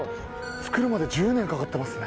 造るまで１０年かかってますね。